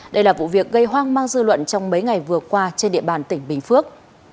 đây là vụ việc gây hoang mang dư luận trong mấy ngày vừa qua trên địa bàn tỉnh bình phước